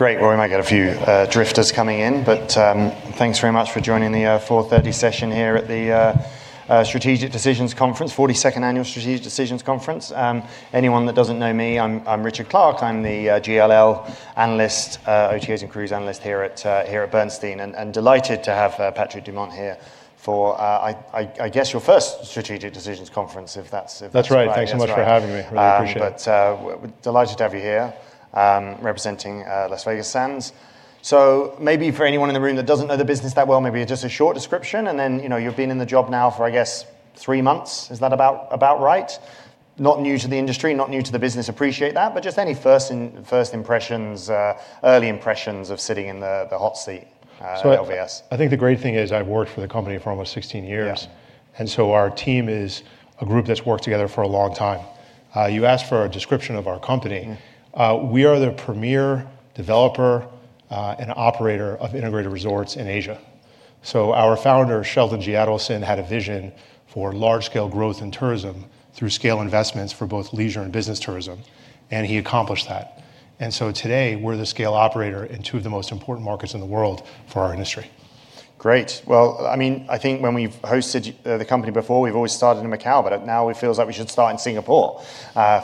Great. Well, we might get a few drifters coming in, but thanks very much for joining the 4:30 session here at the Strategic Decisions Conference, 42nd Annual Strategic Decisions Conference. Anyone that doesn't know me, I'm Richard Clarke. I'm the GLL Analyst, OTAs and Cruise Analyst here at Bernstein. Delighted to have Patrick Dumont here for, I guess, your first Strategic Decisions Conference, if that's right? That's right. Thanks so much for having me. Really appreciate it. Delighted to have you here, representing Las Vegas Sands. Maybe for anyone in the room that doesn't know the business that well, maybe just a short description. Then, you've been in the job now for, I guess, three months. Is that about right? Not new to the industry, not new to the business, appreciate that. Just any first impressions, early impressions of sitting in the hot seat at LVS? I think the great thing is I've worked for the company for almost 16 years. Yeah. Our team is a group that's worked together for a long time. You asked for a description of our company. We are the premier developer and operator of integrated resorts in Asia. Our Founder, Sheldon G. Adelson, had a vision for large scale growth in tourism through scale investments for both leisure and business tourism, and he accomplished that. Today, we're the scale operator in two of the most important markets in the world for our industry. Great. Well, I think when we've hosted the company before, we've always started in Macao, but now it feels like we should start in Singapore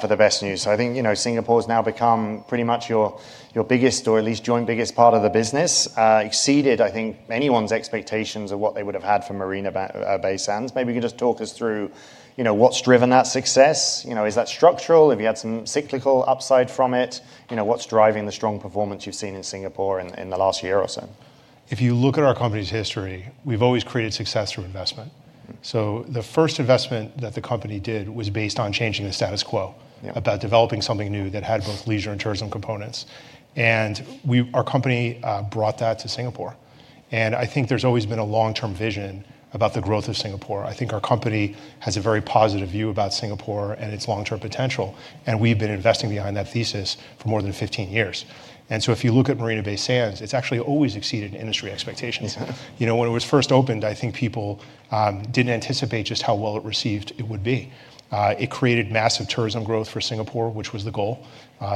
for the best news. I think, Singapore's now become pretty much your biggest, or at least joint biggest part of the business. Exceeded, I think, anyone's expectations of what they would've had from Marina Bay Sands. Maybe you can just talk us through what's driven that success. Is that structural? Have you had some cyclical upside from it? What's driving the strong performance you've seen in Singapore in the last year or so? If you look at our company's history, we've always created success through investment. The first investment that the company did was based on changing the status quo. Yeah. About developing something new that had both leisure and tourism components. Our company brought that to Singapore, and I think there's always been a long-term vision about the growth of Singapore. I think our company has a very positive view about Singapore and its long-term potential, and we've been investing behind that thesis for more than 15 years. If you look at Marina Bay Sands, it's actually always exceeded industry expectations. Yeah. When it was first opened, I think people didn't anticipate just how well-received it would be. It created massive tourism growth for Singapore, which was the goal.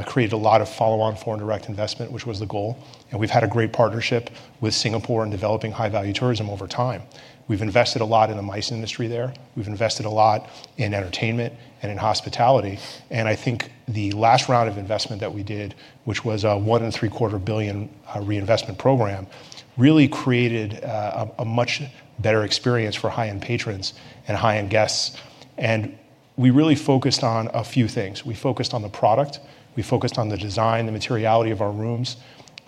Created a lot of follow-on foreign direct investment, which was the goal. We've had a great partnership with Singapore in developing high-value tourism over time. We've invested a lot in the MICE industry there. We've invested a lot in entertainment and in hospitality, and I think the last round of investment that we did, which was a $1.75 billion reinvestment program, really created a much better experience for high-end patrons and high-end guests. We really focused on a few things. We focused on the product. We focused on the design, the materiality of our rooms.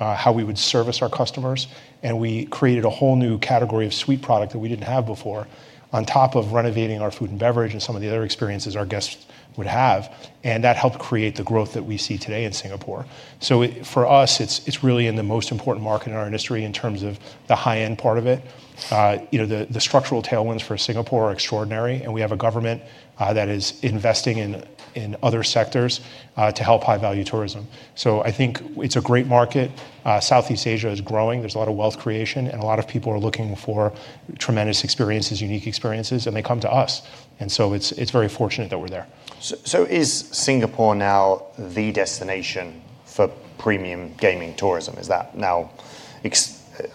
How we would service our customers. We created a whole new category of suite product that we didn't have before, on top of renovating our food and beverage and some of the other experiences our guests would have. That helped create the growth that we see today in Singapore. For us, it's really in the most important market in our industry in terms of the high-end part of it. The structural tailwinds for Singapore are extraordinary, and we have a government that is investing in other sectors to help high-value tourism. I think it's a great market. Southeast Asia is growing. There's a lot of wealth creation, and a lot of people are looking for tremendous experiences, unique experiences, and they come to us. It's very fortunate that we're there. Is Singapore now the destination for premium gaming tourism? Is that now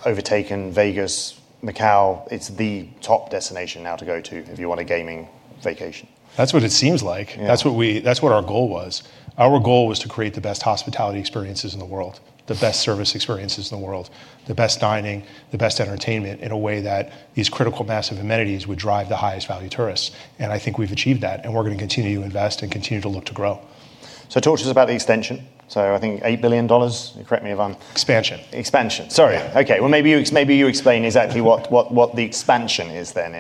overtaken Vegas, Macao? It's the top destination now to go to if you want a gaming vacation. That's what it seems like. Yeah. That's what our goal was. Our goal was to create the best hospitality experiences in the world, the best service experiences in the world, the best dining, the best entertainment in a way that these critical mass of amenities would drive the highest value tourists. I think we've achieved that, and we're going to continue to invest and continue to look to grow. Talk to us about the extension. I think $8 billion. Correct me if I'm- Expansion. Expansion. Sorry. Yeah. Okay. Well, maybe you explain exactly what the expansion is then,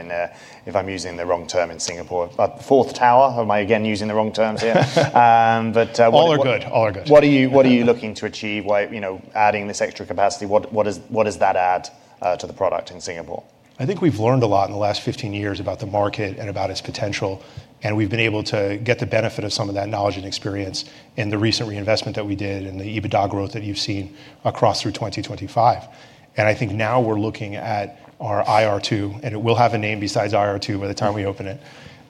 if I'm using the wrong term in Singapore. About the fourth tower? Am I again using the wrong terms here? All are good. All are good. What are you looking to achieve by adding this extra capacity? What does that add to the product in Singapore? I think we've learned a lot in the last 15 years about the market and about its potential, and we've been able to get the benefit of some of that knowledge and experience in the recent reinvestment that we did and the EBITDA growth that you've seen across through 2025. I think now we're looking at our IR2, and it will have a name besides IR2 by the time we open it.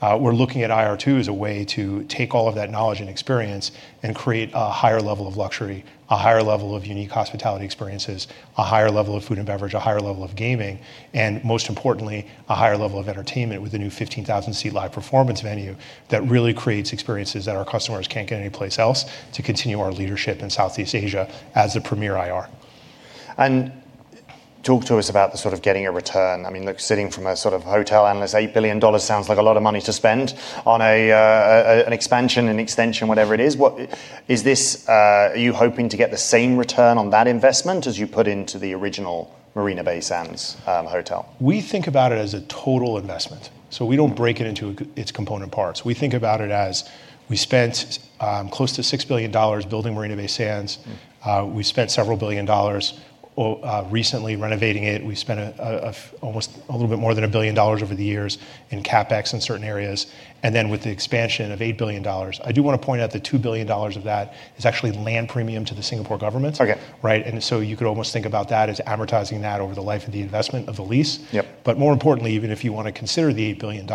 We're looking at IR2 as a way to take all of that knowledge and experience and create a higher level of luxury, a higher level of unique hospitality experiences, a higher level of food and beverage, a higher level of gaming, and most importantly, a higher level of entertainment with the new 15,000-seat live performance venue that really creates experiences that our customers can't get anyplace else to continue our leadership in Southeast Asia as the premier IR. Talk to us about the sort of getting a return. Look, sitting from a sort of hotel analyst, $8 billion sounds like a lot of money to spend on an expansion, an extension, whatever it is. Are you hoping to get the same return on that investment as you put into the original Marina Bay Sands hotel? We think about it as a total investment, so we don't break it into its component parts. We think about it as we spent close to $6 billion building Marina Bay Sands. We spent several billion dollars recently renovating it. We spent a little bit more than $1 billion over the years in CapEx in certain areas. With the expansion of $8 billion, I do want to point out that $2 billion of that is actually land premium to the Singapore government. Okay. Right. You could almost think about that as amortizing that over the life of the investment of the lease. Yep. More importantly, even if you want to consider the $8 billion,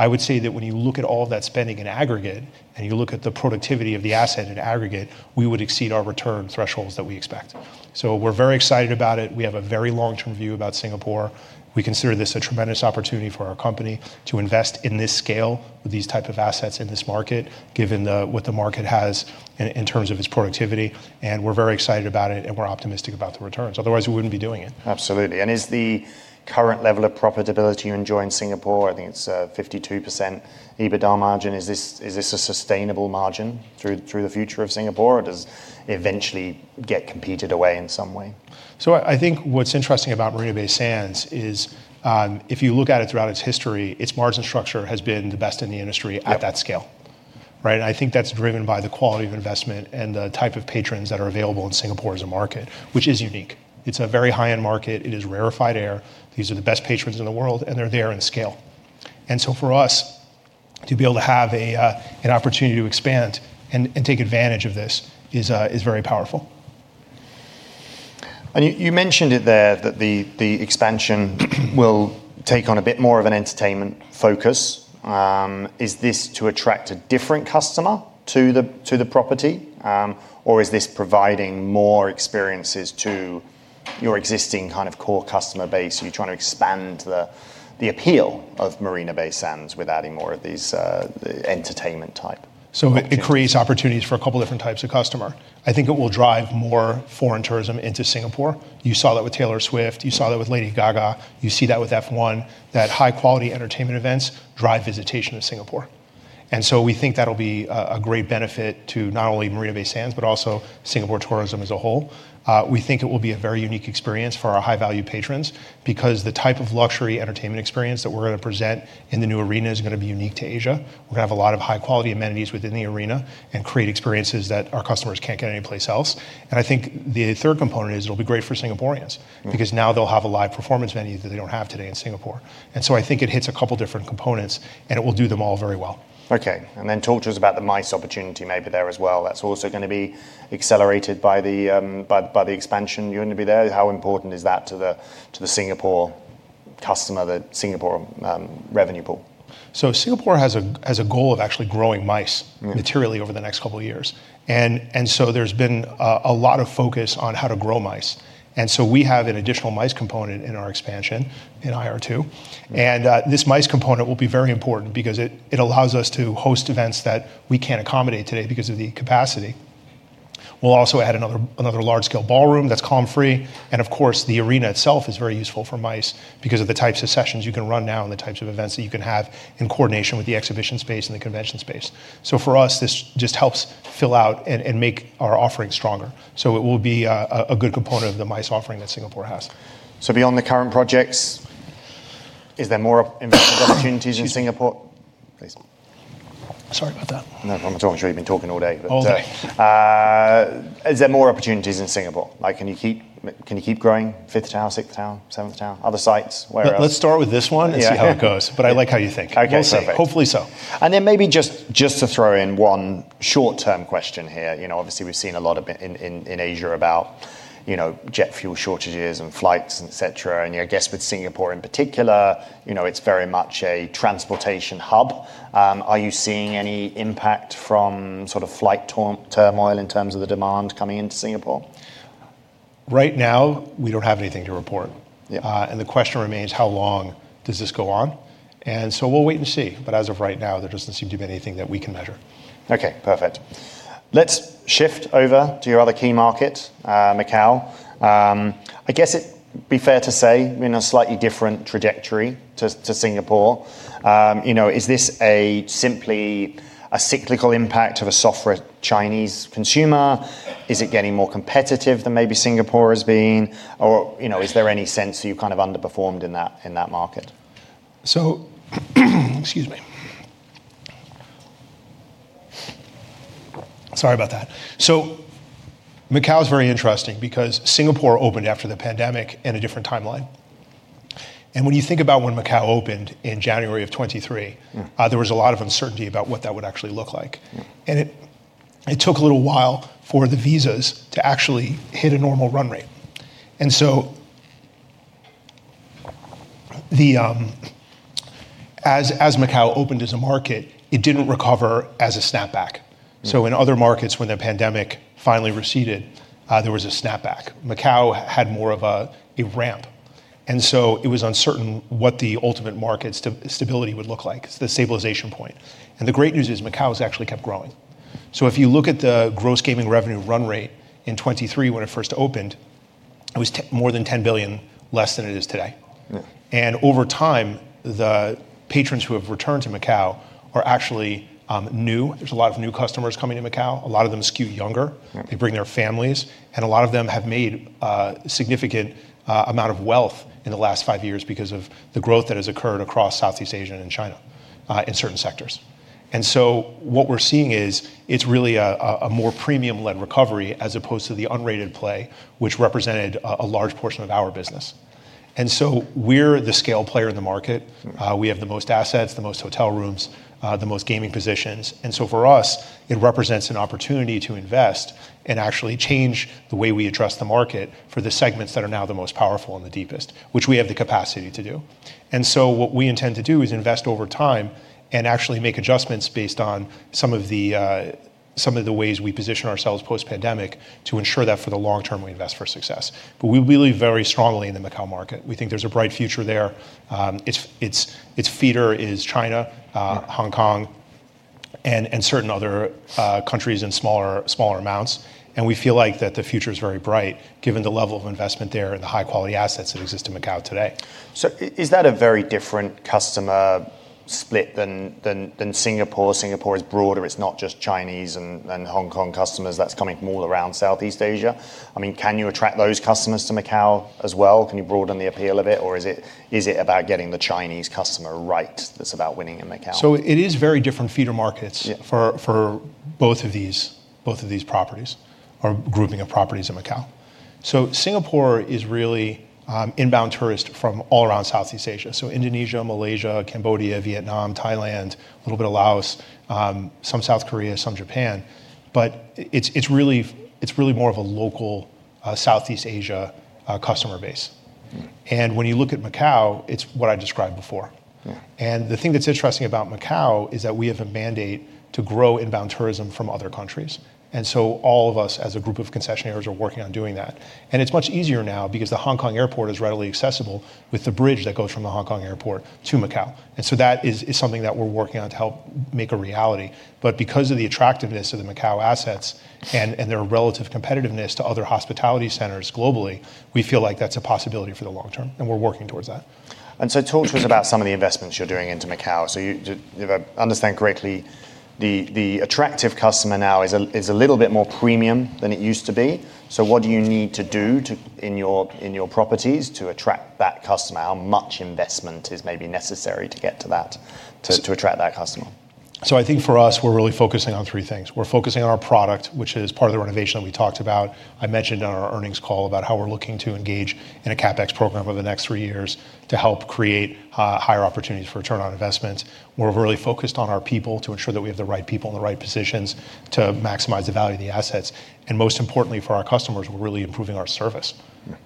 I would say that when you look at all of that spending in aggregate, and you look at the productivity of the asset in aggregate, we would exceed our return thresholds that we expect. We're very excited about it. We have a very long-term view about Singapore. We consider this a tremendous opportunity for our company to invest in this scale with these type of assets in this market, given what the market has in terms of its productivity. We're very excited about it, and we're optimistic about the returns. Otherwise, we wouldn't be doing it. Absolutely. Is the current level of profitability you enjoy in Singapore, I think, it's 52% EBITDA margin? Is this a sustainable margin through the future of Singapore, or does it eventually get competed away in some way? I think what's interesting about Marina Bay Sands is, if you look at it throughout its history, its margin structure has been the best in the industry at that scale. Right. I think that's driven by the quality of investment and the type of patrons that are available in Singapore as a market, which is unique. It's a very high-end market. It is rarefied air. These are the best patrons in the world, and they're there in scale. For us to be able to have an opportunity to expand and take advantage of this is very powerful. You mentioned it there, that the expansion will take on a bit more of an entertainment focus. Is this to attract a different customer to the property, or is this providing more experiences to your existing core customer base? Are you trying to expand the appeal of Marina Bay Sands with adding more of these entertainment type? It creates opportunities for a couple of different types of customer. I think it will drive more foreign tourism into Singapore. You saw that with Taylor Swift. You saw that with Lady Gaga. You see that with F1. That high-quality entertainment events drive visitation to Singapore. We think that'll be a great benefit to not only Marina Bay Sands, but also Singapore tourism as a whole. We think it will be a very unique experience for our high-value patrons, because the type of luxury entertainment experience that we're going to present in the new arena is going to be unique to Asia. We're going to have a lot of high-quality amenities within the arena and create experiences that our customers can't get anyplace else. I think the third component is it'll be great for Singaporeans, because now they'll have a live performance venue, that they don't have today in Singapore. I think it hits a couple of different components, and it will do them all very well. Okay. Talk to us about the MICE opportunity maybe there as well. That's also going to be accelerated by the expansion you're going to be there. How important is that to the Singapore customer, the Singapore revenue pool? Singapore has a goal of actually growing MICE materially over the next couple of years. There's been a lot of focus on how to grow MICE. We have an additional MICE component in our expansion in IR2. This MICE component will be very important, because it allows us to host events that we can't accommodate today because of the capacity. We'll also add another large-scale ballroom that's column-free. Of course, the arena itself is very useful for MICE because of the types of sessions you can run now and the types of events that you can have in coordination with the exhibition space and the convention space. For us, this just helps fill out and make our offering stronger. It will be a good component of the MICE offering that Singapore has. Beyond the current projects, is there more investment opportunities in Singapore? Please. Sorry about that. No, I'm sure you've been talking all day. All day. Is there more opportunities in Singapore? Can you keep growing? Fifth tower, sixth tower, seventh tower, other sites, wherever? Let's start with this one and see how it goes. Yeah. I like how you think. Okay, perfect. We'll see. Hopefully so. Maybe just to throw in one short-term question here. Obviously, we've seen a lot in Asia about jet fuel shortages and flights, et cetera. I guess with Singapore in particular, it's very much a transportation hub. Are you seeing any impact from flight turmoil in terms of the demand coming into Singapore? Right now, we don't have anything to report. Yeah. The question remains, how long does this go on? We'll wait and see. But as of right now, there doesn't seem to be anything that we can measure. Okay, perfect. Let's shift over to your other key market, Macao. I guess it'd be fair to say, in a slightly different trajectory to Singapore. Is this simply a cyclical impact of a softer Chinese consumer? Is it getting more competitive than maybe Singapore has been? Is there any sense that you've underperformed in that market? Excuse me. Sorry about that. Macao is very interesting because Singapore opened after the pandemic in a different timeline. When you think about when Macao opened in January of 2023. There was a lot of uncertainty about what that would actually look like. Yeah. It took a little while for the visas to actually hit a normal run rate. As Macao opened as a market, it didn't recover as a snapback. In other markets, when the pandemic finally receded, there was a snapback. Macao had more of a ramp, and so it was uncertain what the ultimate market stability would look like, the stabilization point. The great news is Macao's actually kept growing. If you look at the gross gaming revenue run rate in 2023 when it first opened, it was more than $10 billion, less than it is today. Yeah. Over time, the patrons who have returned to Macao are actually new. There is a lot of new customers coming to Macao. A lot of them skew younger. Yeah. They bring their families, and a lot of them have made a significant amount of wealth in the last five years because of the growth that has occurred across Southeast Asia and China, in certain sectors. What we're seeing is it's really a more premium-led recovery as opposed to the unrated play, which represented a large portion of our business. We're the scale player in the market. We have the most assets, the most hotel rooms, the most gaming positions. For us, it represents an opportunity to invest and actually change the way we address the market for the segments that are now the most powerful and the deepest, which we have the capacity to do. What we intend to do is invest over time and actually make adjustments based on some of the ways we position ourselves post-pandemic to ensure that for the long term, we invest for success. We believe very strongly in the Macao market. We think there's a bright future there. Its feeder is China- Yeah.... Hong Kong, and certain other countries in smaller amounts, and we feel like that the future's very bright given the level of investment there and the high-quality assets that exist in Macao today. Is that a very different customer split than Singapore? Singapore is broader. It's not just Chinese and Hong Kong customers. That's coming from all around Southeast Asia. Can you attract those customers to Macao as well? Can you broaden the appeal of it? Is it about getting the Chinese customer right that's about winning in Macao? It is very different feeder markets- Yeah.... for both of these properties or grouping of properties in Macao. Singapore is really inbound tourist from all around Southeast Asia: Indonesia, Malaysia, Cambodia, Vietnam, Thailand, a little bit of Laos, some South Korea, some Japan. It's really more of a local Southeast Asia customer base. When you look at Macao, it's what I described before. Yeah. The thing that's interesting about Macao is that we have a mandate to grow inbound tourism from other countries. All of us, as a group of concessionaires, are working on doing that. It's much easier now because the Hong Kong Airport is readily accessible with the bridge that goes from the Hong Kong Airport to Macao. That is something that we're working on to help make a reality. Because of the attractiveness of the Macao assets and their relative competitiveness to other hospitality centers globally, we feel like that's a possibility for the long term, and we're working towards that. Talk to us about some of the investments you're doing into Macao. If I understand correctly, the attractive customer now is a little bit more premium than it used to be. What do you need to do in your properties to attract that customer? How much investment is maybe necessary to get to that, to attract that customer? I think for us, we're really focusing on three things. We're focusing on our product, which is part of the renovation that we talked about. I mentioned in our earnings call about how we're looking to engage in a CapEx program over the next three years to help create higher opportunities for return on investment. We're really focused on our people to ensure that we have the right people in the right positions to maximize the value of the assets. Most importantly for our customers, we're really improving our service. Right.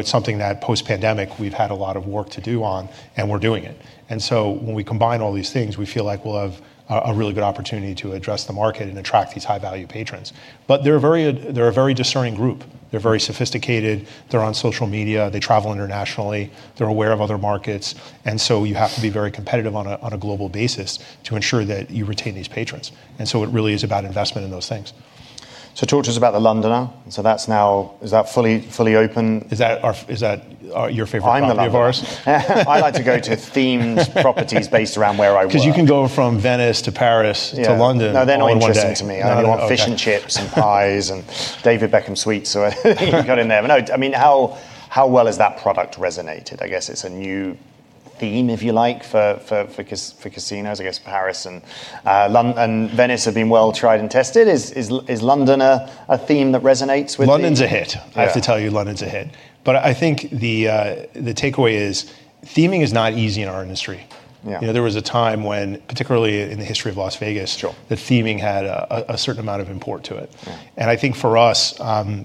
It's something that post-pandemic, we've had a lot of work to do on, and we're doing it. When we combine all these things, we feel like we'll have a really good opportunity to address the market and attract these high-value patrons. They're a very discerning group. They're very sophisticated. They're on social media. They travel internationally. They're aware of other markets. You have to be very competitive on a global basis to ensure that you retain these patrons. It really is about investment in those things. Talk to us about The Londoner. That's now... Is that fully open? Is that your favorite property of ours? I'm the Londoner. I like to go to themed properties based around where I was. Because you can go from Venice to Paris- Yeah.... to London all in one day. No, they're not interesting to me. No, okay. I want fish and chips and pies and David Beckham suites, or anything you've got in there. No, how well has that product resonated? I guess it's a new theme, if you like, for casinos. I guess Paris and Venice have been well tried and tested. Is Londoner a theme that resonates with you? London's a hit. Yeah. I have to tell you, London's a hit. I think the takeaway is theming is not easy in our industry. Yeah. There was a time when, particularly in the history of Las Vegas- Sure.... that theming had a certain amount of import to it. Yeah. I think for us,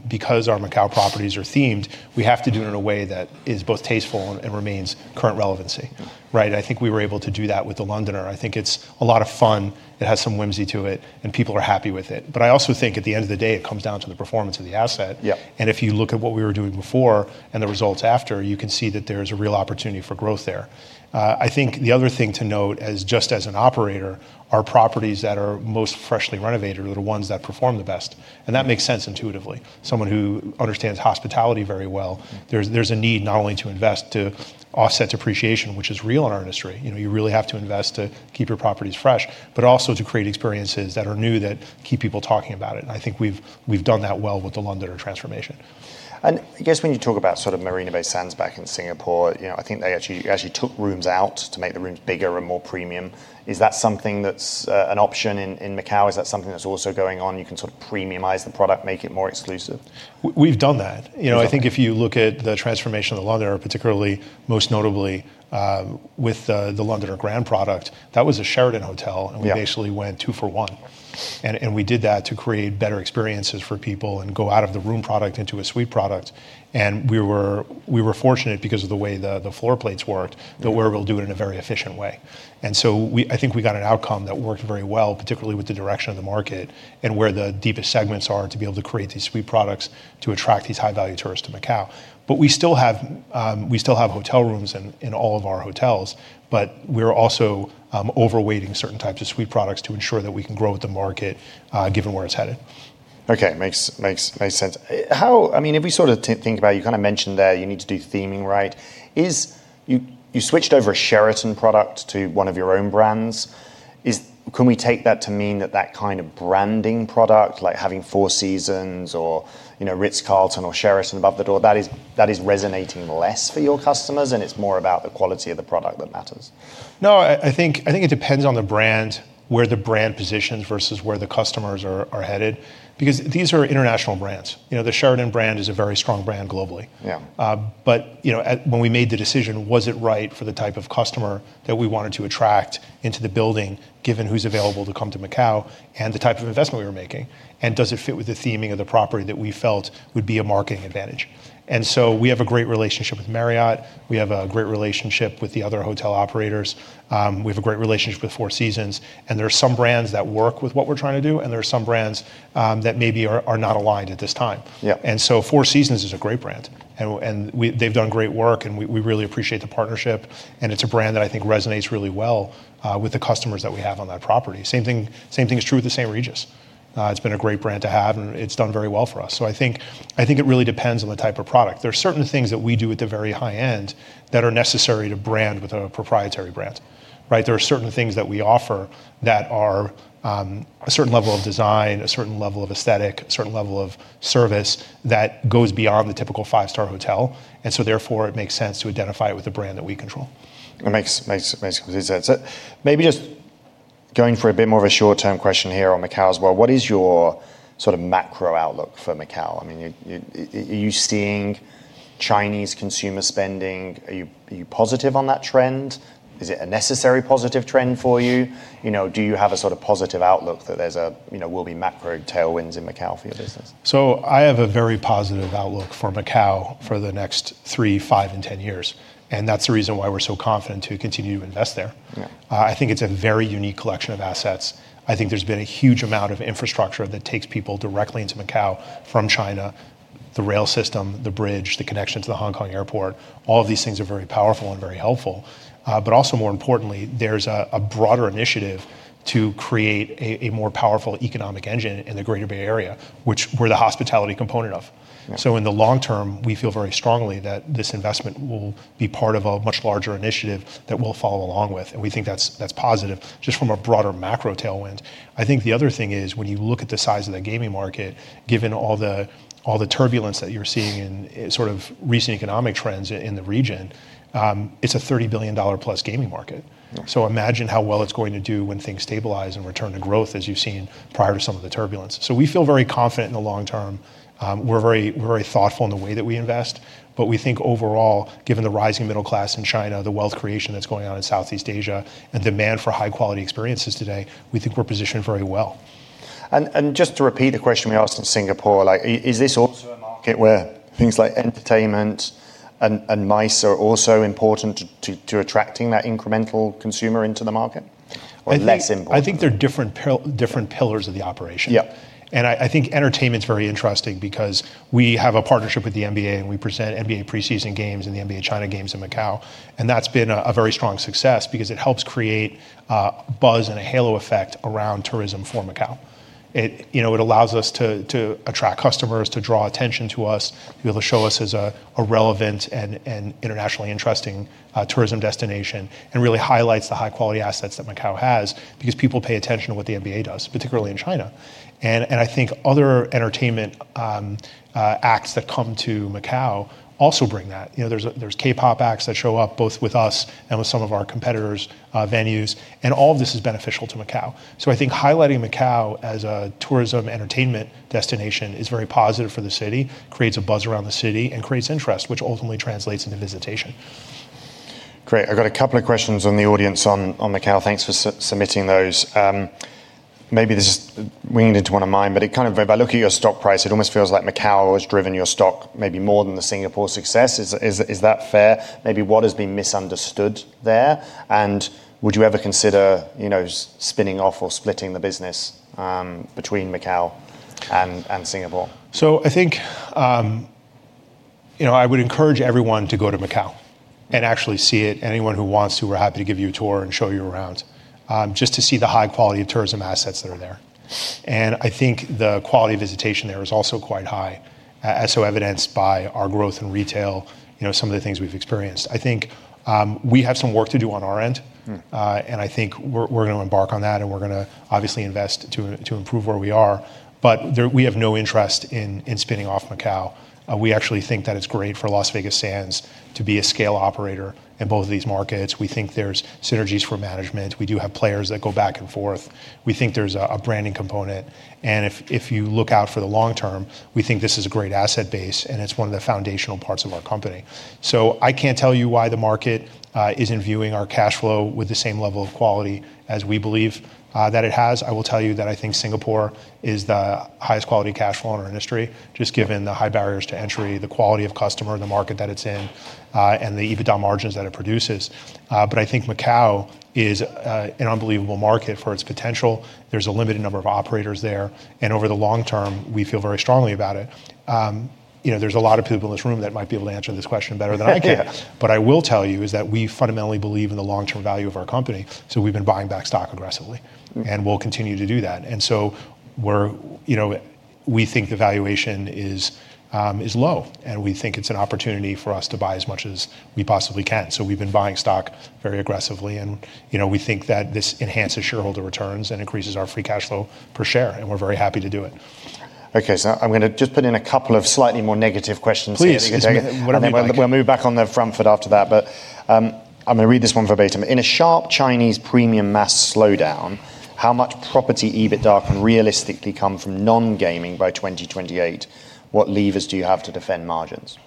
because our Macao properties are themed, we have to do it in a way that is both tasteful and remains current relevancy. Right? I think we were able to do that with The Londoner. I think it's a lot of fun. It has some whimsy to it, and people are happy with it. I also think at the end of the day, it comes down to the performance of the asset. Yeah. If you look at what we were doing before and the results after, you can see that there's a real opportunity for growth there. I think the other thing to note as just as an operator are properties that are most freshly renovated are the ones that perform the best, and that makes sense intuitively. Someone who understands hospitality very well, there's a need not only to invest to offset depreciation, which is real in our industry. You really have to invest to keep your properties fresh, but also to create experiences that are new that keep people talking about it, and I think we've done that well with The Londoner transformation. I guess when you talk about Marina Bay Sands back in Singapore, I think they actually took rooms out to make the rooms bigger and more premium. Is that something that's an option in Macao? Is that something that's also going on? You can sort of premiumize the product, make it more exclusive? We've done that. I think if you look at the transformation of The Londoner, particularly most notably, with The Londoner Grand product, that was a Sheraton Hotel. Yeah. We basically went two for one. We did that to create better experiences for people and go out of the room product into a suite product. We were fortunate because of the way the floor plates worked, that we're able to do it in a very efficient way. I think we got an outcome that worked very well, particularly with the direction of the market and where the deepest segments are, to be able to create these suite products to attract these high-value tourists to Macao. We still have hotel rooms in all of our hotels, but we're also overweighting certain types of suite products to ensure that we can grow with the market, given where it's headed. Okay. Makes sense. If we think about, you mentioned there you need to do theming right. You switched over a Sheraton product to one of your own brands. Can we take that to mean that that kind of branding product, like having Four Seasons or Ritz-Carlton or Sheraton above the door, that is resonating less for your customers, and it's more about the quality of the product that matters? No, I think it depends on the brand, where the brand positions versus where the customers are headed. Because these are international brands. The Sheraton brand is a very strong brand globally. Yeah. When we made the decision, was it right for the type of customer that we wanted to attract into the building, given who's available to come to Macao and the type of investment we were making? Does it fit with the theming of the property that we felt would be a marketing advantage? We have a great relationship with Marriott. We have a great relationship with the other hotel operators. We have a great relationship with Four Seasons. There are some brands that work with what we're trying to do, and there are some brands that maybe are not aligned at this time. Yeah. Four Seasons is a great brand. They've done great work, and we really appreciate the partnership, and it's a brand that I think resonates really well with the customers that we have on that property. Same thing is true with the St. Regis. It's been a great brand to have, and it's done very well for us. I think it really depends on the type of product. There are certain things that we do at the very high end that are necessary to brand with a proprietary brand, right? There are certain things that we offer that are a certain level of design, a certain level of aesthetic, a certain level of service that goes beyond the typical five-star hotel, and so therefore, it makes sense to identify it with a brand that we control. It makes complete sense. Going for a bit more of a short-term question here on Macao as well, what is your macro outlook for Macao? Are you seeing Chinese consumer spending? Are you positive on that trend? Is it a necessary positive trend for you? Do you have a sort of positive outlook that there will be macro tailwinds in Macao for your business? I have a very positive outlook for Macao for the next three, five, and 10 years. That's the reason why we're so confident to continue to invest there. Yeah. I think it's a very unique collection of assets. I think there's been a huge amount of infrastructure that takes people directly into Macao from China: the rail system, the bridge, the connection to the Hong Kong airport. All of these things are very powerful and very helpful. More importantly, there's a broader initiative to create a more powerful economic engine in the Greater Bay Area, which we're the hospitality component of. Yeah. In the long term, we feel very strongly that this investment will be part of a much larger initiative that we'll follow along with. We think that's positive just from a broader macro tailwind. I think the other thing is when you look at the size of the gaming market, given all the turbulence that you're seeing in sort of recent economic trends in the region, it's a $30+ billion gaming market. Yeah. Imagine how well it's going to do when things stabilize and return to growth, as you've seen prior to some of the turbulence. We feel very confident in the long term. We're very thoughtful in the way that we invest. We think overall, given the rising middle class in China, the wealth creation that's going on in Southeast Asia, and demand for high-quality experiences today, we think we're positioned very well. Just to repeat the question we asked in Singapore, is this also a market where things like entertainment and MICE are also important to attracting that incremental consumer into the market, or less important? I think they're different pillars of the operation. Yeah. I think entertainment's very interesting, because we have a partnership with the NBA. We present NBA Preseason games and the NBA China games in Macao, and that's been a very strong success because it helps create a buzz and a halo effect around tourism for Macao. It allows us to attract customers, to draw attention to us, be able to show us as a relevant and internationally interesting tourism destination, and really highlights the high-quality assets that Macao has because people pay attention to what the NBA does, particularly in China. I think other entertainment acts that come to Macao also bring that. There's K-pop acts that show up both with us and with some of our competitors' venues, and all of this is beneficial to Macao. I think highlighting Macao as a tourism entertainment destination is very positive for the city, creates a buzz around the city, and creates interest, which ultimately translates into visitation. Great. I've got two questions on the audience on Macao. Thanks for submitting those. Maybe this is winged into one of mine. It kind of by look at your stock price, it almost feels like Macao has driven your stock maybe more than the Singapore success. Is that fair? What has been misunderstood there, would you ever consider spinning off or splitting the business between Macao and Singapore? I think, I would encourage everyone to go to Macao, and actually see it. Anyone who wants to, we're happy to give you a tour and show you around, just to see the high quality of tourism assets that are there. I think the quality of visitation there is also quite high, as so evidenced by our growth in retail. Some of the things we've experienced. I think, we have some work to do on our end. I think we're going to embark on that, and we're going to obviously invest to improve where we are. We have no interest in spinning off Macao. We actually think that it's great for Las Vegas Sands to be a scale operator in both of these markets. We think there's synergies for management. We do have players that go back and forth. We think there's a branding component, and if you look out for the long term, we think this is a great asset base. It's one of the foundational parts of our company. I can't tell you why the market isn't viewing our cash flow with the same level of quality as we believe that it has. I will tell you that I think Singapore is the highest quality cash flow in our industry, just given the high barriers to entry, the quality of customer, and the market that it's in, and the EBITDA margins that it produces. I think Macao is an unbelievable market for its potential. There's a limited number of operators there. Over the long term, we feel very strongly about it. There's a lot of people in this room that might be able to answer this question better than I can. Yeah. I will tell you is that we fundamentally believe in the long-term value of our company, so we've been buying back stock aggressively, and we'll continue to do that. We think the valuation is low, and we think it's an opportunity for us to buy as much as we possibly can. We've been buying stock very aggressively, and we think that this enhances shareholder returns and increases our free cash flow per share, and we're very happy to do it. Okay, I'm going to just put in a couple of slightly more negative questions here. Please. Whatever you like. We'll move back on the front foot after that. I'm going to read this one verbatim. In a sharp Chinese premium mass slowdown, how much property EBITDA can realistically come from non-gaming by 2028? What levers do you have to defend margins?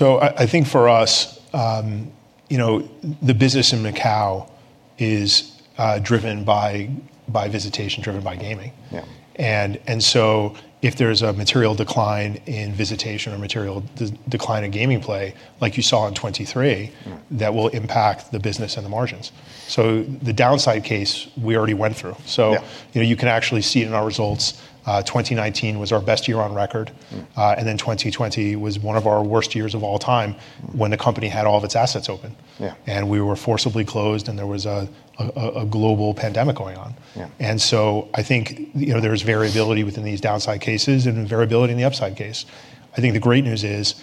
I think for us, the business in Macao is driven by visitation, driven by gaming. Yeah. If there's a material decline in visitation or material decline in gaming play, like you saw in 2023, that will impact the business and the margins. The downside case we already went through. Yeah. You can actually see it in our results. 2019 was our best year on record. 2020 was one of our worst years of all time when the company had all of its assets open. Yeah. We were forcibly closed, and there was a global pandemic going on. Yeah. I think there's variability within these downside cases and variability in the upside case. I think the great news is,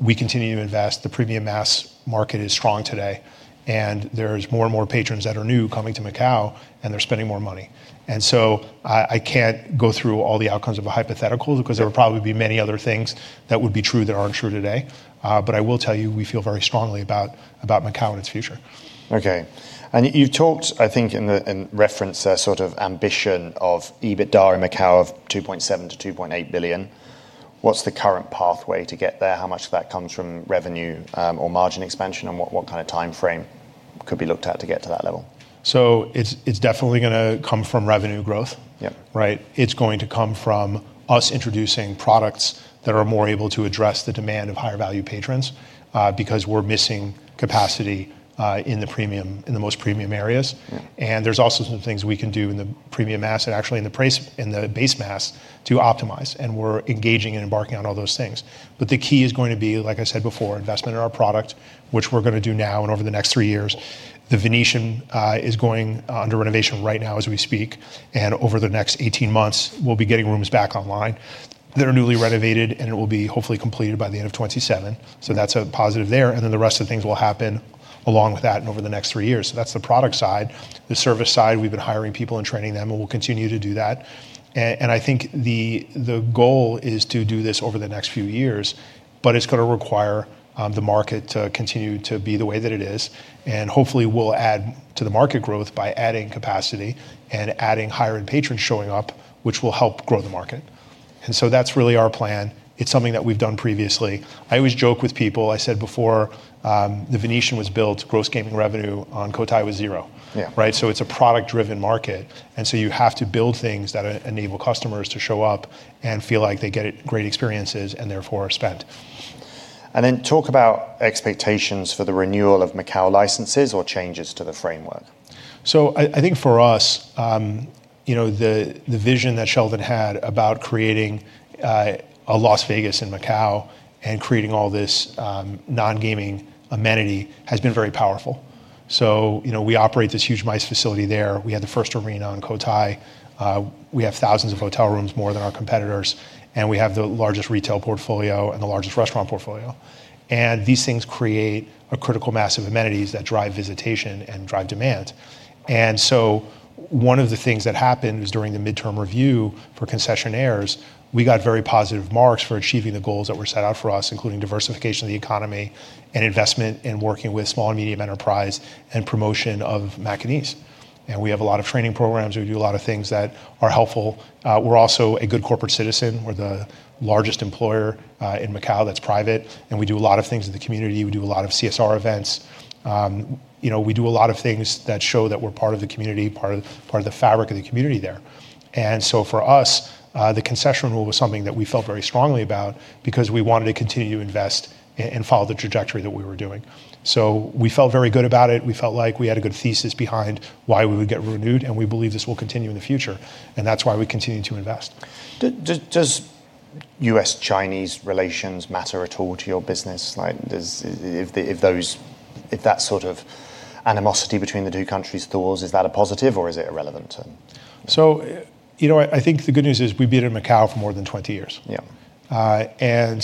we continue to invest. The premium mass market is strong today, and there's more and more patrons that are new coming to Macao, and they're spending more money. I can't go through all the outcomes of a hypothetical because there would probably be many other things that would be true that aren't true today. But I will tell you, we feel very strongly about Macao and its future. Okay. You've talked, I think, in reference, sort of ambition of EBITDA in Macao of $2.7 billion-$2.8 billion. What's the current pathway to get there? How much of that comes from revenue or margin expansion, and what kind of timeframe could be looked at to get to that level? It's definitely going to come from revenue growth. Yep. Right? It's going to come from us introducing products that are more able to address the demand of higher value patrons, because we're missing capacity in the most premium areas. Yeah. There's also some things we can do in the premium mass, and actually in the base mass to optimize. We're engaging and embarking on all those things. The key is going to be, like I said before, investment in our product, which we're going to do now and over the next three years. The Venetian is going under renovation right now as we speak. Over the next 18 months, we'll be getting rooms back online that are newly renovated, and it will be hopefully completed by the end of 2027. That's a positive there, and then the rest of the things will happen along with that and over the next three years. That's the product side. The service side, we've been hiring people and training them, and we'll continue to do that. I think the goal is to do this over the next few years, but it's going to require the market to continue to be the way that it is. Hopefully, we'll add to the market growth by adding capacity and adding higher-end patrons showing up, which will help grow the market. That's really our plan. It's something that we've done previously. I always joke with people, I said before, The Venetian was built, gross gaming revenue on Cotai was zero. Yeah. Right? It's a product-driven market, and so you have to build things that enable customers to show up and feel like they get great experiences and therefore spend. Talk about expectations for the renewal of Macao licenses or changes to the framework. I think for us, the vision that Sheldon had about creating a Las Vegas in Macao and creating all this non-gaming amenity has been very powerful. We operate this huge MICE facility there. We had the first arena on Cotai. We have thousands of hotel rooms, more than our competitors. We have the largest retail portfolio and the largest restaurant portfolio. These things create a critical mass of amenities that drive visitation and drive demand. One of the things that happened is, during the midterm review for concessionaires, we got very positive marks for achieving the goals that were set out for us, including diversification of the economy and investment in working with small and medium enterprise, and promotion of Macanese. We have a lot of training programs. We do a lot of things that are helpful. We're also a good corporate citizen. We're the largest employer in Macao that's private, and we do a lot of things in the community. We do a lot of CSR events. We do a lot of things that show that we're part of the community, part of the fabric of the community there. For us, the concession rule was something that we felt very strongly about, because we wanted to continue to invest and follow the trajectory that we were doing. We felt very good about it. We felt like we had a good thesis behind why we would get renewed, and we believe this will continue in the future, and that's why we continue to invest. Does U.S.-Chinese relations matter at all to your business? If that sort of animosity between the two countries thaws, is that a positive or is it irrelevant? I think the good news is we've been in Macao for more than 20 years. Yeah.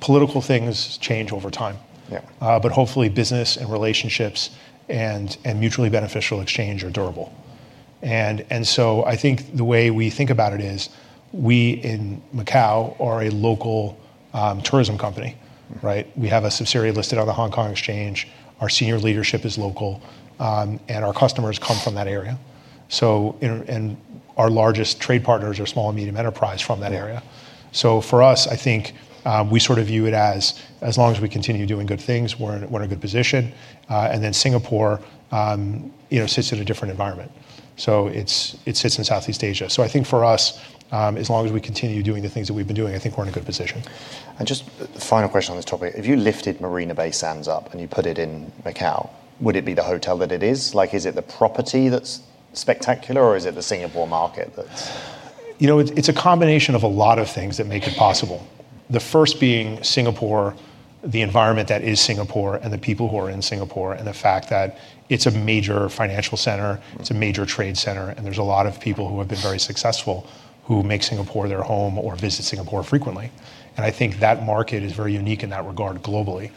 Political things change over time. Yeah. Hopefully, business and relationships and mutually beneficial exchange are durable. I think the way we think about it is we, in Macao, are a local tourism company, right? We have a subsidiary listed on the Hong Kong Exchange. Our senior leadership is local. Our customers come from that area. Our largest trade partners are small and medium enterprise from that area. For us, I think we sort of view it as long as we continue doing good things. We're in a good position. Singapore sits in a different environment. It sits in Southeast Asia. I think for us, as long as we continue doing the things that we've been doing, I think we're in a good position. Just the final question on this topic. If you lifted Marina Bay Sands up and you put it in Macao, would it be the hotel that it is? Is it the property that's spectacular or is it the Singapore market that's- It's a combination of a lot of things that make it possible. The first being Singapore, the environment that is Singapore, and the people who are in Singapore, and the fact that it's a major financial center. It's a major trade center. There's a lot of people who have been very successful who make Singapore their home or visit Singapore frequently. I think that market is very unique in that regard globally.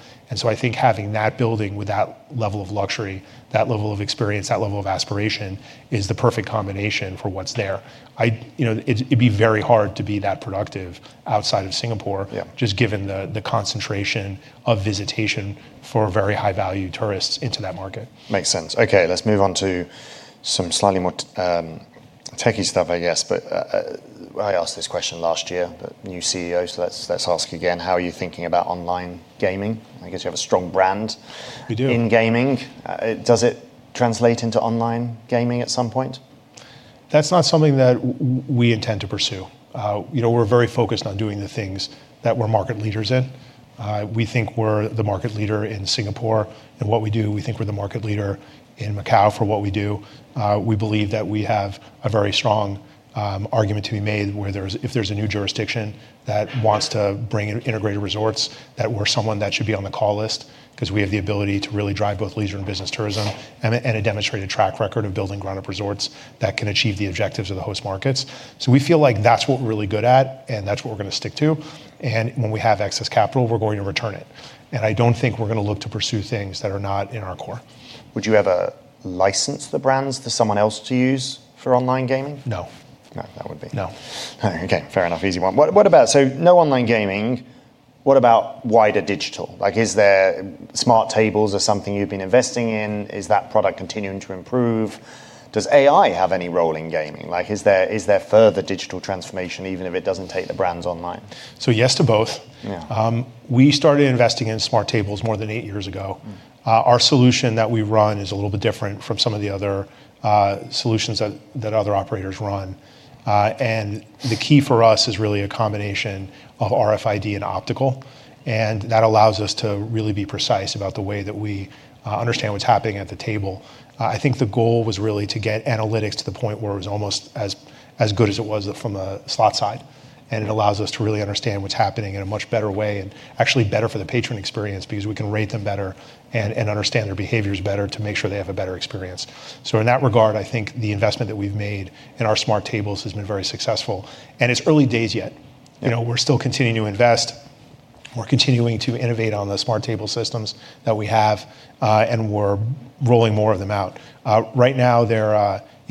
I think having that building with that level of luxury, that level of experience, that level of aspiration is the perfect combination for what's there. It'd be very hard to be that productive outside of Singapore- Yeah.... just given the concentration of visitation for very high-value tourists into that market. Makes sense. Okay, let's move on to some slightly more techie stuff, I guess. I asked this question last year. But new CEO, so let's ask again. How are you thinking about online gaming? I guess you have a strong brand- We do.... in gaming. Does it translate into online gaming at some point? That's not something that we intend to pursue. We're very focused on doing the things that we're market leaders in. We think we're the market leader in Singapore in what we do. We think we're the market leader in Macao for what we do. We believe that we have a very strong argument to be made where if there's a new jurisdiction that wants to bring integrated resorts. That we're someone that should be on the call list, because we have the ability to really drive both leisure and business tourism, and a demonstrated track record of building ground-up resorts that can achieve the objectives of the host markets. We feel like that's what we're really good at, and that's what we're going to stick to. When we have excess capital, we're going to return it. I don't think we're going to look to pursue things that are not in our core. Would you ever license the brands to someone else to use for online gaming? No. No, that would be- No. Okay, fair enough. Easy one. What about no online gaming? What about wider digital? Is there smart tables or something you've been investing in? Is that product continuing to improve? Does AI have any role in gaming? Is there further digital transformation, even if it doesn't take the brands online? Yes to both. Yeah. We started investing in smart tables more than eight years ago. Our solution that we run is a little bit different from some of the other solutions that other operators run. The key for us is really a combination of RFID and optical, and that allows us to really be precise about the way that we understand what's happening at the table. I think the goal was really to get analytics to the point where it was almost as good as it was from a slot side. It allows us to really understand what's happening in a much better way, and actually better for the patron experience because we can rate them better and understand their behaviors better to make sure they have a better experience. In that regard, I think the investment that we've made in our smart tables has been very successful, and it's early days yet. Yeah. We're still continuing to invest. We're continuing to innovate on the smart table systems that we have, and we're rolling more of them out. Right now, they're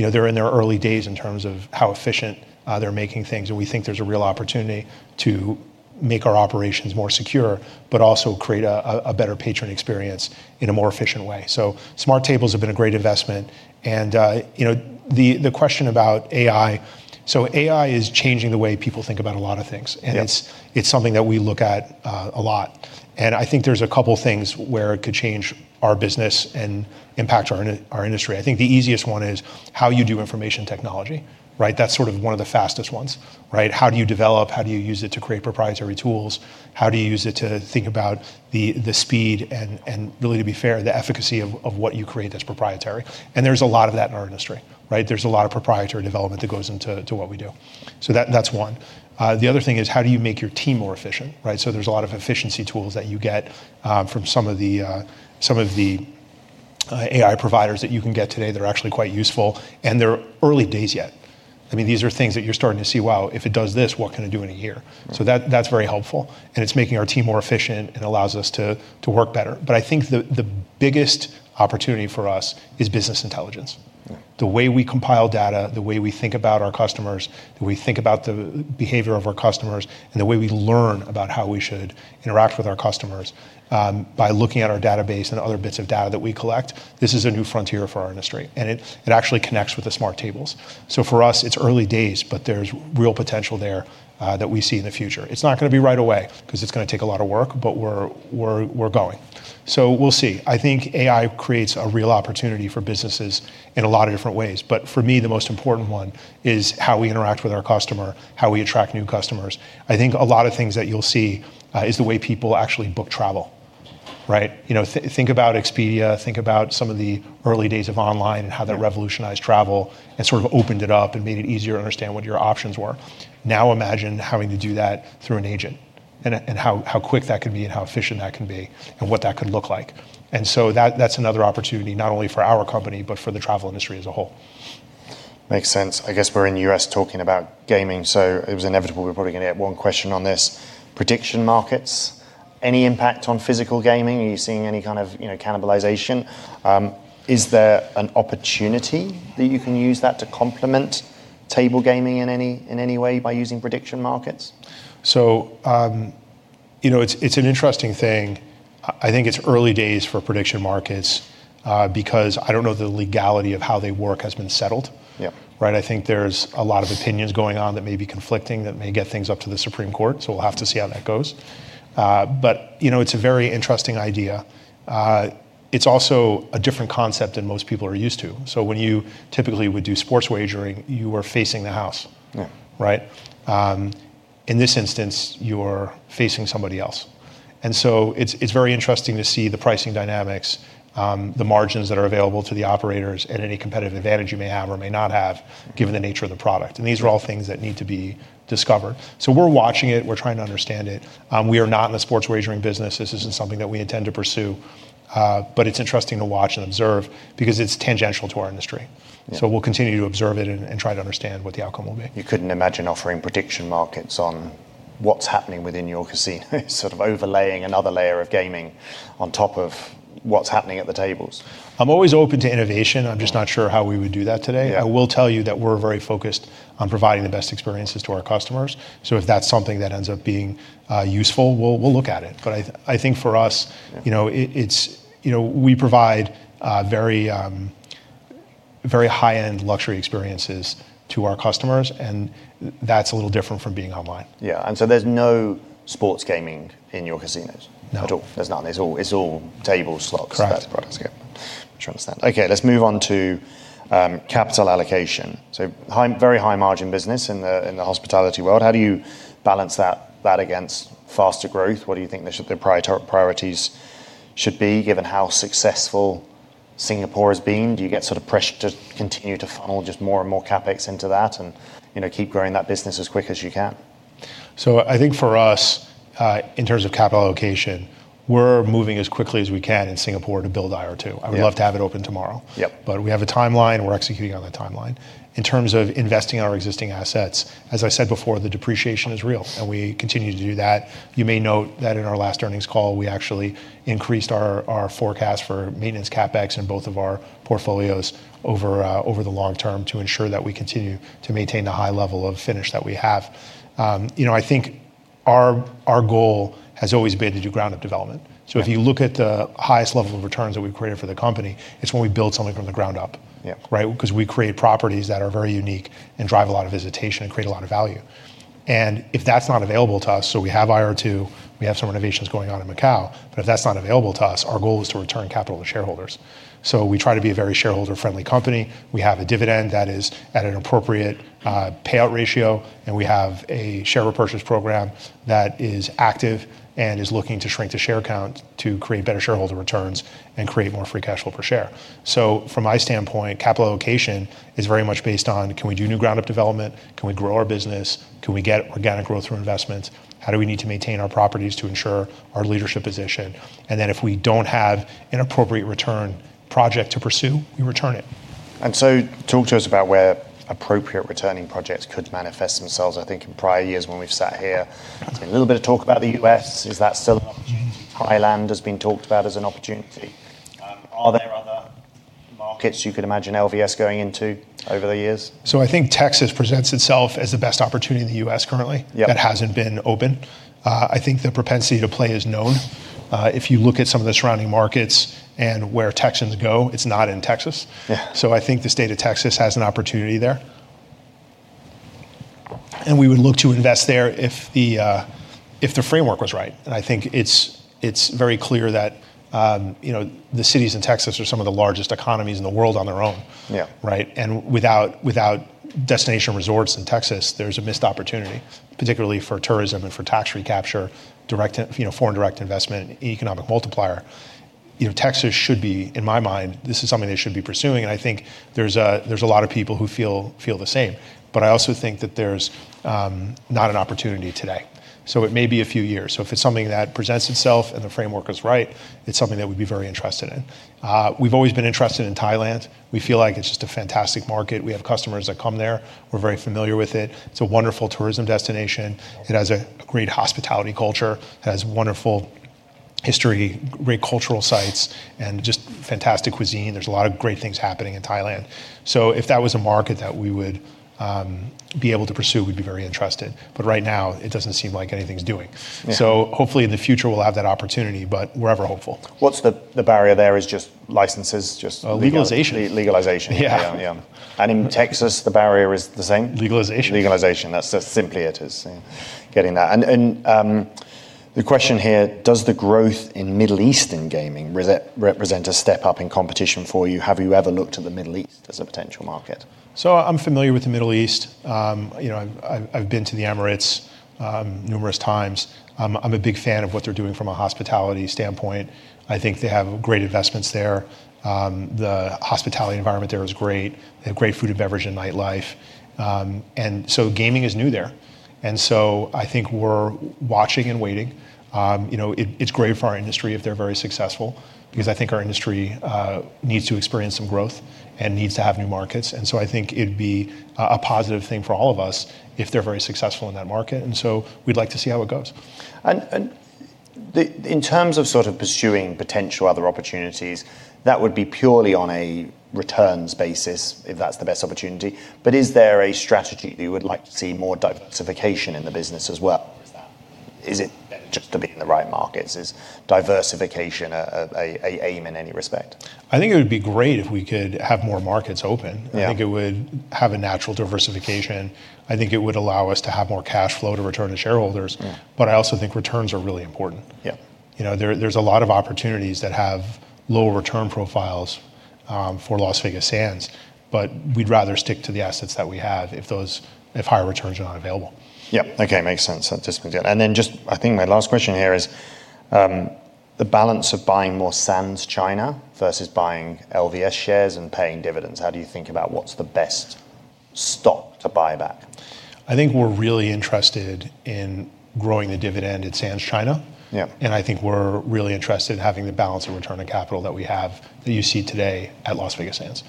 in their early days in terms of how efficient they're making things. We think there's a real opportunity to make our operations more secure, but also create a better patron experience in a more efficient way. Smart tables have been a great investment. The question about AI, so AI is changing the way people think about a lot of things. Yeah. It's something that we look at a lot. I think there's a couple things where it could change our business and impact our industry. I think the easiest one is how you do information technology, right? That's one of the fastest ones, right? How do you develop? How do you use it to create proprietary tools? How do you use it to think about the speed and, really to be fair, the efficacy of what you create that's proprietary? There's a lot of that in our industry, right? There's a lot of proprietary development that goes into what we do. That's one. The other thing is how do you make your team more efficient, right? There's a lot of efficiency tools that you get from some of the AI providers that you can get today that are actually quite useful, and they're early days yet. These are things that you're starting to see, "Wow, if it does this, what can it do in a year?" That's very helpful, and it's making our team more efficient and allows us to work better. I think the biggest opportunity for us is business intelligence. Right. The way we compile data, the way we think about our customers, the way we think about the behavior of our customers, and the way we learn about how we should interact with our customers, by looking at our database and other bits of data that we collect. This is a new frontier for our industry. It actually connects with the smart tables. For us, it's early days, but there's real potential there that we see in the future. It's not going to be right away, because it's going to take a lot of work, but we're going. We'll see. I think AI creates a real opportunity for businesses in a lot of different ways. For me, the most important one is how we interact with our customer, how we attract new customers. I think a lot of things that you'll see is the way people actually book travel. Right? Think about Expedia, think about some of the early days of online. Yeah. How they revolutionized travel, and sort of opened it up and made it easier to understand what your options were. Now imagine having to do that through an agent, and how quick that can be and how efficient that can be and what that could look like. That's another opportunity not only for our company but for the travel industry as a whole. Makes sense. I guess we're in the U.S. talking about gaming, so it was inevitable we're probably going to get one question on this. Prediction markets, any impact on physical gaming? Are you seeing any kind of cannibalization? Is there an opportunity that you can use that to complement table gaming in any way by using prediction markets? It's an interesting thing. I think it's early days for prediction markets, because I don't know that the legality of how they work has been settled. Yep. Right? I think there's a lot of opinions going on that may be conflicting, that may get things up to the Supreme Court. We'll have to see how that goes. It's a very interesting idea. It's also a different concept than most people are used to. When you typically would do sports wagering, you are facing the house. Yeah. Right? In this instance, you're facing somebody else. It's very interesting to see the pricing dynamics, the margins that are available to the operators, and any competitive advantage you may have or may not have given the nature of the product. These are all things that need to be discovered. We're watching it. We're trying to understand it. We are not in the sports wagering business. This isn't something that we intend to pursue. It's interesting to watch and observe because it's tangential to our industry. Yeah. We'll continue to observe it and try to understand what the outcome will be. You couldn't imagine offering prediction markets on what's happening within your casino, sort of overlaying another layer of gaming on top of what's happening at the tables. I'm always open to innovation. I'm just not sure how we would do that today. Yeah. I will tell you that we're very focused on providing the best experiences to our customers. If that's something that ends up being useful, we'll look at it. Yeah. We provide very high-end luxury experiences to our customers, and that's a little different from being online. Yeah. There's no sports wagering in your casinos- No. ... at all? There's none. It's all table slots- Correct.... type products. Yeah, which I understand. Okay, let's move on to capital allocation. Very high margin business in the hospitality world. How do you balance that against faster growth? What do you think their priorities should be given how successful Singapore has been? Do you get sort of pressure to continue to funnel just more and more CapEx into that and keep growing that business as quick as you can? I think for us, in terms of capital allocation, we're moving as quickly as we can in Singapore to build IR2. Yeah. I would love to have it open tomorrow. Yep. We have a timeline. We're executing on that timeline. In terms of investing in our existing assets, as I said before, the depreciation is real, and we continue to do that. You may note that in our last earnings call, we actually increased our forecast for maintenance CapEx in both of our portfolios over the long term to ensure that we continue to maintain the high level of finish that we have. Our goal has always been to do ground-up development. If you look at the highest level of returns that we've created for the company, it's when we build something from the ground up. Yeah. Right? Because we create properties that are very unique and drive a lot of visitation and create a lot of value. If that's not available to us, so we have IR2, we have some renovations going on in Macao. But if that's not available to us, our goal is to return capital to shareholders. We try to be a very shareholder-friendly company. We have a dividend that is at an appropriate payout ratio, and we have a share repurchase program that is active and is looking to shrink the share count to create better shareholder returns, and create more free cash flow per share. From my standpoint, capital allocation is very much based on can we do new ground-up development, can we grow our business? Can we get organic growth through investments? How do we need to maintain our properties to ensure our leadership position? If we don't have an appropriate return project to pursue, we return it. Talk to us about where appropriate returning projects could manifest themselves. I think in prior years when we've sat here, there's been a little bit of talk about the U.S. Is that still an opportunity? Thailand has been talked about as an opportunity. Are there other markets you could imagine LVS going into over the years? I think Texas presents itself as the best opportunity in the U.S. currently- Yeah.... that hasn't been open. I think the propensity to play is known. If you look at some of the surrounding markets and where Texans go, it's not in Texas. Yeah. I think the state of Texas has an opportunity there. We would look to invest there if the framework was right. I think it's very clear that the cities in Texas are some of the largest economies in the world on their own. Yeah. Right? Without destination resorts in Texas, there's a missed opportunity, particularly for tourism and for tax recapture, foreign direct investment, economic multiplier. Texas should be, in my mind, this is something they should be pursuing. I think there's a lot of people who feel the same. I also think that there's not an opportunity today, so it may be a few years. If it's something that presents itself and the framework is right, it's something that we'd be very interested in. We've always been interested in Thailand. We feel like it's just a fantastic market. We have customers that come there. We're very familiar with it. It's a wonderful tourism destination. It has a great hospitality culture. It has wonderful history, great cultural sites, and just fantastic cuisine. There's a lot of great things happening in Thailand. If that was a market that we would be able to pursue, we'd be very interested. Right now, it doesn't seem like anything's doing. Yeah. Hopefully, in the future, we'll have that opportunity, but we're ever hopeful. What's the barrier there, is just licenses? Legalization. Legalization. Yeah. Yeah. In Texas, the barrier is the same? Legalization. Legalization, that's simply it is getting that. The question here, does the growth in Middle Eastern gaming represent a step up in competition for you? Have you ever looked to the Middle East as a potential market? I'm familiar with the Middle East. I've been to the Emirates numerous times. I'm a big fan of what they're doing from a hospitality standpoint. I think they have great investments there. The hospitality environment there is great. They have great food and beverage and nightlife. Gaming is new there, and so I think we're watching and waiting. It's great for our industry if they're very successful, because I think our industry needs to experience some growth and needs to have new markets. I think it'd be a positive thing for all of us if they're very successful in that market, and so we'd like to see how it goes. In terms of sort of pursuing potential other opportunities, that would be purely on a returns basis if that's the best opportunity. Is there a strategy that you would like to see more diversification in the business as well? Is it better just to be in the right markets? Is diversification a aim in any respect? I think it would be great if we could have more markets open. Yeah. I think it would have a natural diversification. I think it would allow us to have more cash flow to return to shareholders. Yeah. I also think returns are really important. Yeah. There's a lot of opportunities that have lower return profiles for Las Vegas Sands, but we'd rather stick to the assets that we have if higher returns are not available. Yeah. Okay, makes sense. Just I think my last question here is, the balance of buying more Sands China versus buying LVS shares and paying dividends. How do you think about what's the best stock to buy back? I think we're really interested in growing the dividend at Sands China. Yeah. I think we're really interested in having the balance of return on capital that we have that you see today at Las Vegas Sands.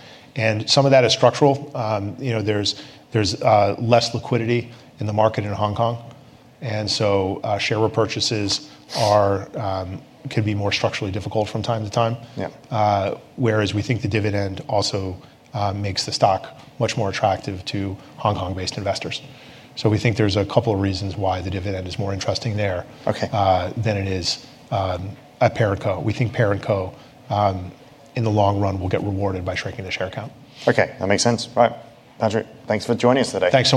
Some of that is structural. There's less liquidity in the market in Hong Kong, and so share repurchases could be more structurally difficult from time to time. Yeah. Whereas we think the dividend also makes the stock much more attractive to Hong Kong-based investors. We think there's a couple of reasons why the dividend is more interesting there- Okay.... than it is at parent co. We think parent co, in the long run, will get rewarded by shrinking the share count. Okay, that makes sense. Right. Patrick, thanks for joining us today. Thanks.